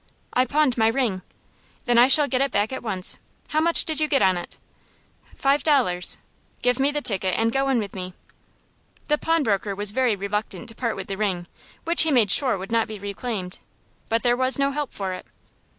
"I pawned my ring." "Then I shall get it back at once. How much did you get on it?" "Five dollars." "Give me the ticket, and go in with me." The pawnbroker was very reluctant to part with the ring, which he made sure would not be reclaimed; but there was no help for it.